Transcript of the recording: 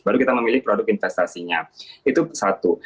baru kita memilih produk investasinya itu satu